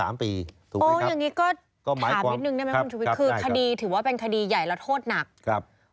โอ้อย่างนี้ก็ถามนิดนึงได้ไหมคุณชุวิตคือคดีถือว่าเป็นคดีใหญ่แล้วโทษหนักครับ